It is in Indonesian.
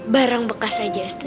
barang bekas aja ustazah